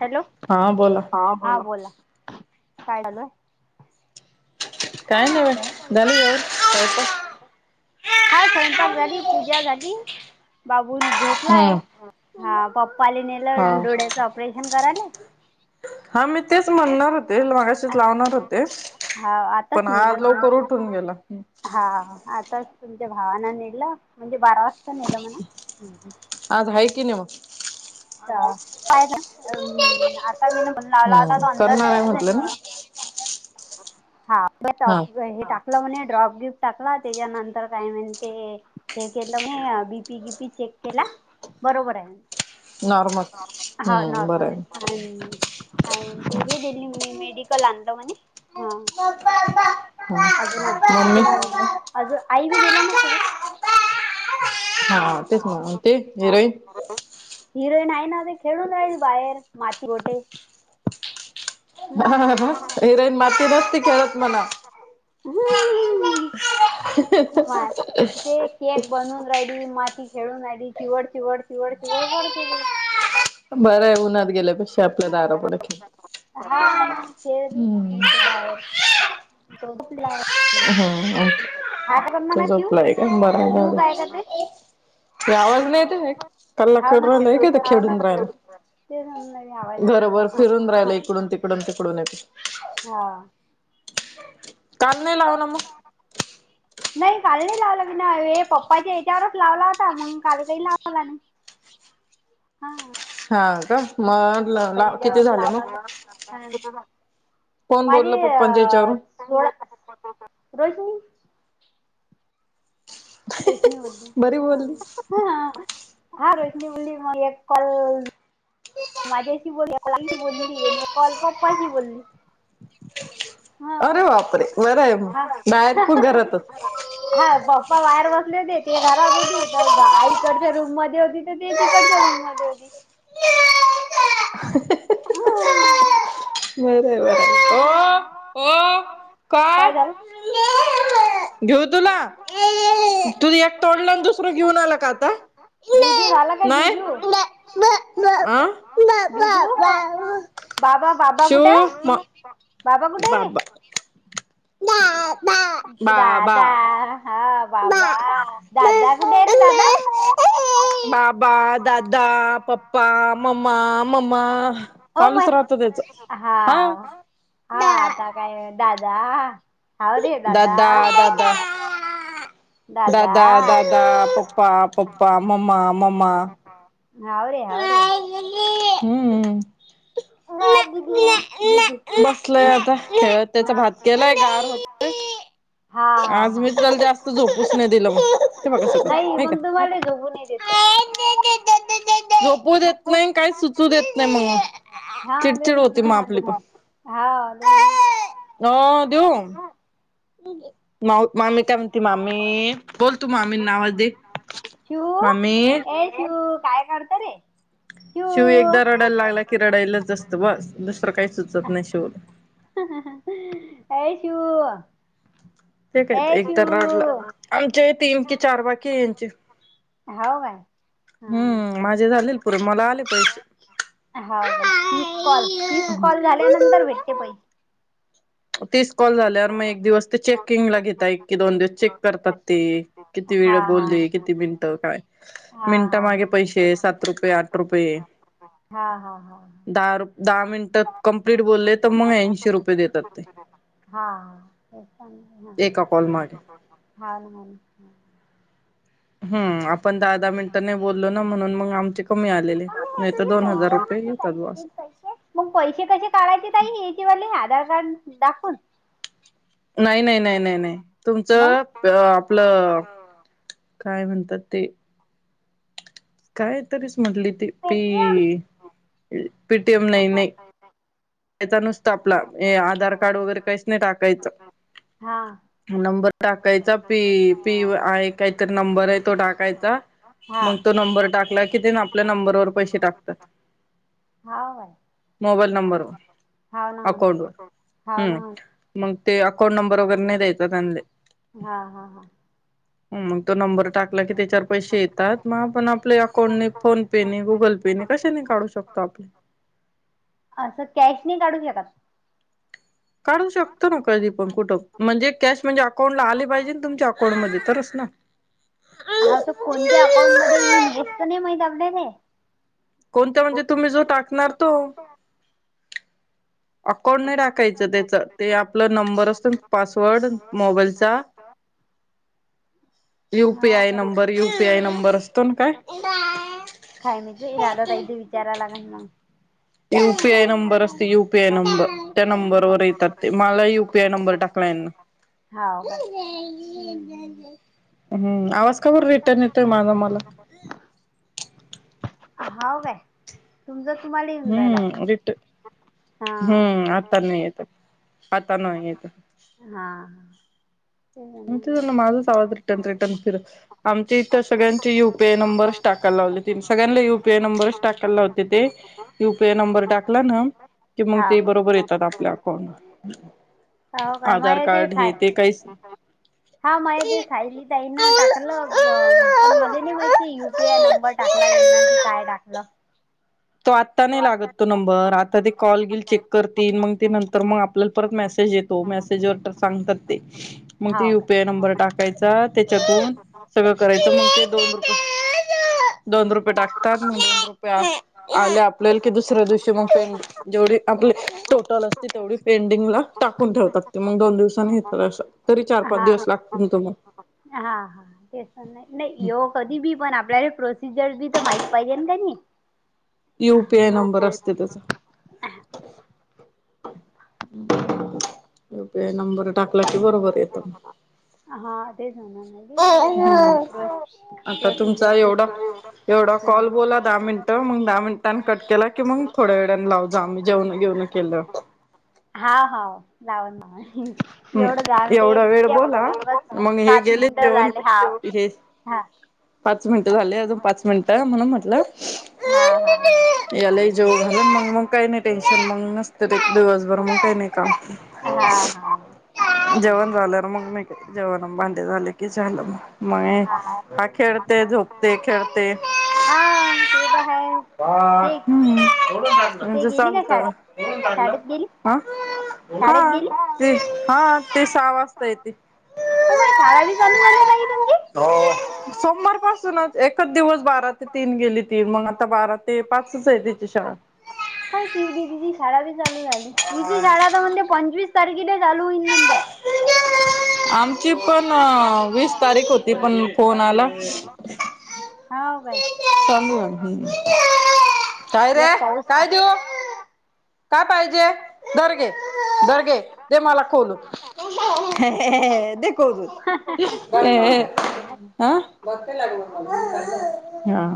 Hello हा बोला हा बोल हा बोला [unintelligible] [unintelligible] हा स्वयंपाक झाली पूजा झाली बाबून झोपलाय. हम्म हा पप्पा लि हा नेलं डोळ्याचं ऑपरेशन करायले. हा मी तेच म्हणणार होते मागाशीच लावणार होते. हा आताच पण नेलं आज लवकर होत उठून गेला. आता तुमच्या भावाना नेलं. म्हणजे बारा वाजता नेलं म्हने. [unintelligible] फायदा आता मी नंबर लावला होता हम्म तो अंदर करणार आहे न्यायचं म्हटलं ना म्हणी. हा हे हा दाखलवणे ड्रॉ [unintelligible] गिफ्ट टाकला त्याच्यानंतर काय म्हणे ते हे केलं म बीपी गीपी चेक केला. बरोबर नॉर्मल आहे हा हम्म बरं नॉर्मल आहे. ते दिली म्ह मेडिकल आणल म्हने. [unintelligible] मम्मी आई बी गेल्या ना तो. हा तेच मग ते हिरोईन. हिरोईन नाही ना ते खेळून राहील बाहेर माती गोटे. ह हम्म हिरोईन माती नसती खेळत म्हण. ते केक बनवून राहिली माती खेळून आली चिवड चिवड चिवड चिवड [unintelligible] बरं आहे उन्हा गेल्यापेक्षा आपल दरा फूड खेळ हा नाही खेळते हम. इथं बाहेर [unintelligible] [unintelligible] हा काय करणार शिव शिव काय करते आवाज नाही येत कला हाव ना करू राहियला एक येत हाव ना खेळून राहायला तेच म्हणून नाही आवाज येईना घरोबर फिरून राहिल आला. इकडून, तिकडून, तिकडून येत. हा. काल नाही लावला मग? नाही काल नाही लावल बी ना हे पप्पाच्या याच्यावरच लावला होता. मग काल काही लावला नाही. हा हा का मग ला पप्पाच्या किती याच्यावरच झाले मग? कोण माझे बोललं पप्पांच्या अ याच्यावरून [unintelligible] [unintelligible] हा बरी बोलली रोहितनी बोलली मग एक कॉल माझ्याशी बोलली ताईशी बोलली आणि एक कॉल पप्पाशी बोलली. हा अरे बापरे बरं आहे मग बाहेर कुर हा घरातच. हा पप्पा बाहेर बसले ते घरात होती तर आई इकडच्या रूम मध्ये होती तर ते तिकडच्या रूम मध्ये होती. [inaudible] बर बर, ओ ओ काय? घेऊ तुला, तू एक तोडला आणि दुसरं घेऊन आला का आता? जुजू झाला का नाय. जुजू जुजू बाबा बाबा कुठाय? बाबा! राधा बाबा हा. बाबा, दादा कुठेय र दादा! बाबा दादा पप्पा मम्मा मम्मा हो मै चालूच राहत त्याच. हा हा आता दादा काय दादा हाव रे दादा दादा. दादा ददा, ददा, पप्पा, पप्पा, मम्मा, मम्मा! हवं रे हवं रे! हम्म बसलय आता [unintelligible] खेळत त्याचा भात केलाय गार होतोय [inaudible] आज हा मी हा त्याला जास्त झोपूस नाही दिलं मग ते बघा कस होतीय, नाही हाय का? मग तुम्हाला झोपू नाही [inaudible] झोपू देत नाही काही सुचू देत नाही मग हा चिडचिड होती मग आपली पण हा [unintelligible] नाव मामी काय म्हणती मामी बोल तू मामी ना आवाज दे! शिवू मामी! ए शिवू काय करतय रे? शिव शिवू एकदा रडायला लागला की रडायलाच असतं बस दुसरं काही सुचत नाही शिवला. ऐं शिव! ते काय एक तर रडला, शिवू आमच्या तीन की चार बाकी यांचे हो काय हम्म. माझे झालेल पुरे मला आले पैसे हो का तीस कॉल, तीस कॉल झाल्यानंतर भेटते पैसे. तीस कॉल झाल्यावर मग एक दिवस ते चेक किंग ला घेता एक की दोन दिवस चेक करतात ते किती वेळ हा हा बोलले किती मिनटं काय हा मिनटा मागे हा पैसे सात रुपये आठ रुपये हा. हा हा हा हा दहा दहा मिनिटात कमप्लीट बोलले तर मग ऐंशी रुपये देतात. ते हा. एका कॉल मागे हा. हम्म आप पण दहा दहा मिनिटं नाही बोललो ना म्हणून मग आमचे कमी आलेले, नाही तर दोन हजार रुपये येतात ब असं. मग पैसे कसे काढायचे ताई याचे वाले आधार कार्ड दाखवून? नाही नाही नाही नाही नाही मग तुमचं आपलं काय म्हणतात ते! काय तरी म्हटली ती पी पेटीएम पीटीएम नाही नाही. कायचा नुसतं आपला हे आधार कार्ड वगैरे काहीच नाही टाकायचं. हा. नंबर टाकायचा पी पी आहे काहीत नंबर आहे तो टाकायचा. हा मग तो नंबर टाकला कि ते आपल्या नंबरवर पैसे टाकतात. मोबाईल नंबरवर. होना होना. अकाउंट वर हम्म मग ते अकाउंट नंबर वगैरे नाही द्यायचा त्यांले. ना हा हा मग तो नंबर टाकला की त्याच्यावर पैसे येतात मग आपण आपल्या अकाउंटने फोन पेने गुगल पेने कशाने काढू शकतो आपले असं कॅश नाही काढू शकत. काढू शकतो ना कधी पण कुठं म्हणजे कॅश म्हणजे अकाउंट ला आले पाहिजे तुमच्या अकाउंट मध्ये तरच ना हा त कोणत्या अकाउंट मध्ये हेच त नाही माहित आपल्याले कोणत म्हणजे तुम्ही जो टाकणार तो अकउंड नाही टाकायचं त्याच ते आपला नंबर असतो पासवर्ड मोबाईलचा हाव यूपीआय काय नंबर यूपीआय नंबर असतो ना काय काय मी त रादा त इथे विचारयला लाग ना युपीआय नंबर असते युपीआय नंबर त्या हा नंबरवर येतात ते मला यूपीआय नंबर टाकला. यांना हाव काय हम्म हम्म आवाज काबर रिटर्न येतोय माझा मला, हाव काय तुमच हम्म वरट काय हा हम्म आता नाय येत. आता नाहीयेत. हा हा ते म्हणून म्ह आहे. ना माझच आवाज रिटर्न रिटर्न फिर आमच्या इथं सगळ्यांचे युपीआय नंबरच टाकायला. सगळ्यां युपीआय नंबरच टाकाला होते ते युपीआय नंबर टाकला ना. कि मग हा. ते बरोबर येतात आपल्या अकाउंटवर हो काय आधार माय कार्ड हे साय ते काहीच हा माहिती ते सायली ताईन टाकलं पण मध्ये नाही माहिित युपीआय नंबर टाक. ला देना की काय टाकलं. तो आत्ता नाही लागत तो नंबर आता ते कॉल गेल चेक करतील मग ते नंतर मग आपल्याला परत मेसे येतो मेसेज वर तर सांगतात ते मग ते हाव युपीआय नंबर टाकायचा त्याच्यातून सगळं करायचं मग ते दोन रुपये दोन रुपये टाकतात मग दोन रुपये आल्या आपल्याला की दुसऱ्या दिवशी मग पेंड जेवढी आपली टोटल असते तेवढी पेंडिंगला टाकून ठेवतात ते मग दोन दिवसांनी येतात असं तरी चार काय पाच हा दिवस लागतो ना त मग, हा ते नाही नाही ये कधी बी पण आपल्याला प्रोसिजर बी तर माहित पाहिजे ना त्यां युपीआय नंबर असते त्याचा युपीआय नंबर टाकला की बरोबर येत. ह ते जा आता तुमचा प्रोसिजर बी एवढा तर एवढं हा कॉल बोला दहा मिनिटं मग दहा मिनिटांनी कट केला की मग थोड्या वेळान लाव जा आम्ही जेवणा बिवन केलं. अ हा हो लावण मग हम् एवढं जाण दे एवढा वेळ उद्या बोला फत मग हे सात गेले मिनिट जेवण झाले हा, हे हा पाच मिनिटं झाले अजून पाच मिनिटं म्हणून म्हटलं. हा हा यालाही जेव घालं मग, मग काही नाही टेन्शन मग नस त्या दिवसभर मग काय नाही काम हा हा हम्म म जेवणा भांडे झाले की झाल मग हा हा खेळते झोपते खेळते. हा तर आहे ह ते ह् ते म्हणजे गेली का शाळेत चालतंलं. शाळेत गेली ह हा शाळेत गेली ते हो हा ते सहा वाजता येते. हो मग शाळा बी चालू झाली का तुमची, [unintelligible] सोमवार पाासूनच एकच दिवस बारा ते तीन गेली तीन मग आता बारा ते पाचच आहे तिची शाळा. तिची शाळा बी चालू झाली तिची शाळा तर म्हणे पंचवीस तारखेला चालू होईन म्हणते [inaudible] आमची पण वीस तारीख होती [unintelligible] पण फोन आला. ह काय? हम् [unintelligible] काय रे एक पाऊस काय देऊ? का पाहिजे धर घे धर घे ते मला. खोलू [inaudible] दे कृष्ण [unintelligible] [inaudible] ह बघते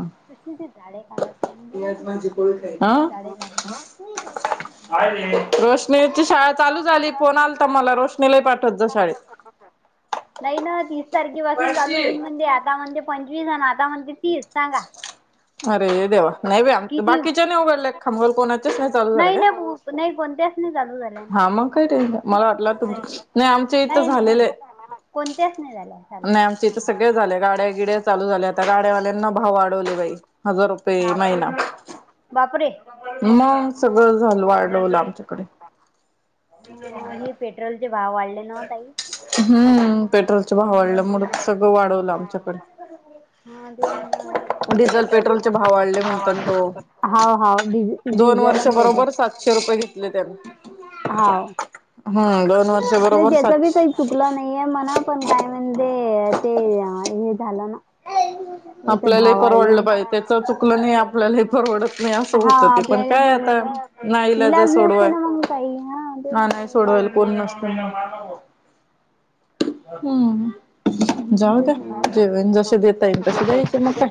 [unintelligible] तिथे झाडे काढायच [unintelligible] गरज त हा झाडं [unintelligible] [unintelligible] रोशनीची शाळा चालूच आली फोन आलता मला रोशनीलाही पाठवत जा शाळेत. [unintelligible] नाही ना तीस तारखे पाासून चालू होई म्हणजे आता म्हणजे पंचवीस आणि आता म्हणते तीस सांगा अरे देवा नाही बे आम किती बाकीच्या नाही उघडल्याागल कोणाच्याच नाही चालू झालं काय?. नाही कोणते [inaudible] हा मग काही टेन्शन मला वाटलं तुमच नाही आमच्या इथं नाही नाही झालेलं आहे. नाही कोणत्याच नाही झाल्या चालू. नाही आमच्या इथं सगळे झाले गाड्या गिड्या चालू झाल्या आता गाड्यावाल्यांना भाव वाढवले बाई! हजार रुपये हा महिना बापरे [unintelligible] मग ह सगळं झालं वाढवलं आमच्याकडे [unintelligible] अं हे पेट्रोलचे भाव वाढले ना ताई हम्म पेट्रोलचे भाव वाढल्यामुळे सगळं वाढवलं आमच्याकडे हा डिझेल पेट्रोल पेट्रोलचे चे भाव पण वाढले भाव म्हणताना वाढले तो ना [unintelligible] [inaudible] हा हा पेट्रोलचे पण भाव वाढले हाऊ हाऊ [unintelligible] दोन [inaudible] वर्ष आणि बरोबर सातशे रुपये घेतले त्यानी हाव. ह [unintelligible] वर्षभर नाही त्याच बी काही चुकलं नाहीये म्हणा पण काय म्हणे ते हे झालं ना याचा आपल्यालाही भाव वाढले. परवडलं पाज त्याच चुकलं नाही आपल्यालाही परवडत नाही असं हा होत ते पण आपल्याला काय आता? परवडणार नाविलाज इलाज नसते सोडवा ना मग काही हा ते ना नाही सोडवायला कोण नसत. [unintelligible] [unintelligible] हम् हम् [inaudible] [unintelligible] देता येईल तसे द्यायचे मग काय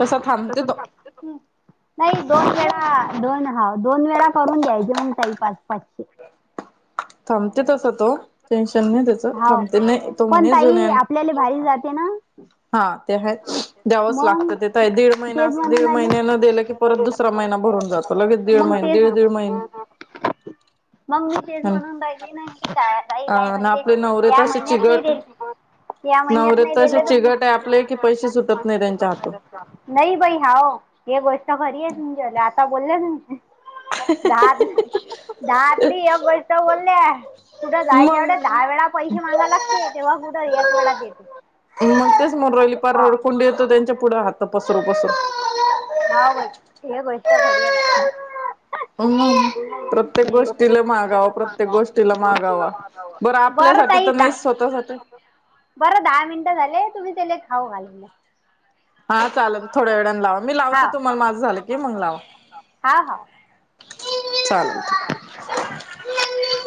तसा तस थांबते तो नाही दोन [inaudible] दोन हा दोन वेळा करून द्यायचे मग ताई पाच पाचशे तस तो टेन्शन नाही त्याच हाव थांबते नाही तो पण म्हणे ताई जुन्यानां आपल्याला भारी जाते ना हा ते ह द्यावंच मग लागतं ते तर आहे दीड महिना तेच दीड म्हणून आले महिन्यान दिलं की परत दुसरा महिना भरून जातं लगे दीड मग महिने दीड, दीड महिने. तेच [inaudible] मग मी तेच म्हणून राहीली नाही [unintelligible] ई काय आणि म्हणते आपले नवरे या तर असे महिन्यात चिगट नाही [unintelligible] या महिन्यात नवरे नाही असे दिले तर चिगट आहे आपले की पैसे सुटत नाही त्यांच्या हातून [unintelligible] नाही बाई हाव हे गोष्ट खरी आहे तुमच्याला आता बोलले [unintelligible] द दहातली एक गोष्ट बोलले कुठं जाय मग जेवढे दहा वेळा पैसे म मागाव लागते तेव्हा कुठं एक वेळा देते. मग [unintelligible] तेच म रहिली पार हा रडकुंडी येतो त्यांच्या पुढं हात पसर पसरू हाव बाई हे [unintelligible] भारीया बात हम [inaudible] प्रत्येक गोष्टीला मागाव प्रत्येक गोष्टीला. मागाव बर बरं आपल्यासाठी ताई तर दा नाही स्वतःसाठी बरं दहा मिनटं झाले तुम्ही त्याला खाऊ घाला. हा चालेल थोड्या वेळाने लावा मी हा लावते तुम्हाला माझं झालं की मग ला. वा हा हा चालेल [unintelligible]